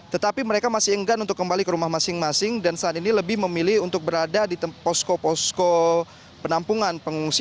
tetapi mereka masih enggan untuk kembali ke rumah masing masing dan saat ini lebih memilih untuk berada di posko posko penampungan pengungsi